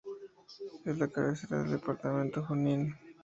Es la cabecera del departamento Junín.